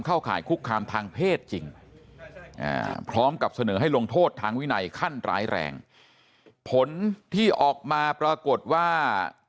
ข่ายคุกคามทางเพศจริงพร้อมกับเสนอให้ลงโทษทางวินัยขั้นร้ายแรงผลที่ออกมาปรากฏว่า